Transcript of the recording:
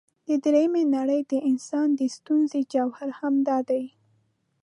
د درېمې نړۍ د انسان د ستونزې جوهر همدا دی.